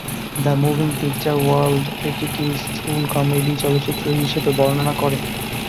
The moving picture world এটিকে স্থুল comedy চলচ্চিত্র হিসেবে বর্ণনা করে।